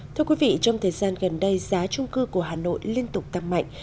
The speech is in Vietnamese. thưa quý vị trong thời gian gần đây giá trung cư của hà nội liên tục tăng mạnh